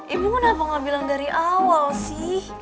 ibu kenapa nggak bilang dari awal sih